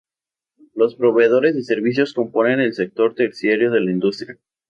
Los proveedores de servicios componen el sector terciario de la industria.